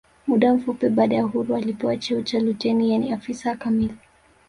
Muda mfupi baada ya uhuru alipewa cheo cha luteni yaani afisa kamili